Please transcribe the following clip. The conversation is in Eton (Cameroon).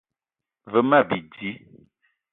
Ve ma bidi